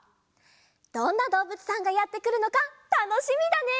どんなどうぶつさんがやってくるのかたのしみだね！